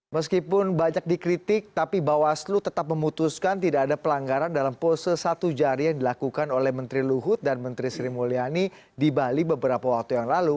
meskipun banyak dikritik tapi bawaslu tetap memutuskan tidak ada pelanggaran dalam pose satu jari yang dilakukan oleh menteri luhut dan menteri sri mulyani di bali beberapa waktu yang lalu